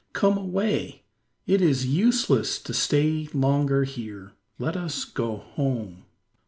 "Come away! It is useless to stay longer here. Let us go home!"